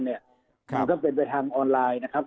มันก็เป็นไปทางออนไลน์นะครับ